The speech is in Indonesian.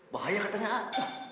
bahaya katanya ah